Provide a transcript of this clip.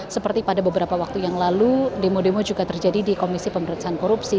seperti pada beberapa waktu yang lalu demo demo juga terjadi di komisi pemerintahan korupsi